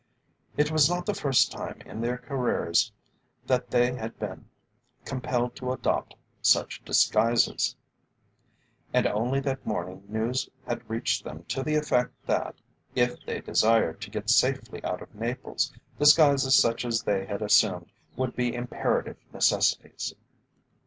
It was not the first time in their careers that they had been compelled to adopt such disguises, and only that morning news had reached them to the effect that, if they desired to get safely out of Naples, disguises such as they had assumed would be imperative necessities.